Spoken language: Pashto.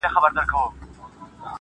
نه یم رسېدلی لا سپېڅلیي لېونتوب ته زه,